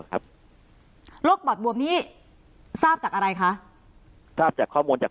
ครับโรคปอดบวมนี้ทราบจากอะไรคะทราบจากข้อมูลจาก